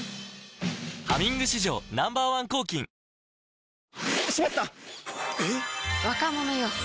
「ハミング」史上Ｎｏ．１抗菌いい汗。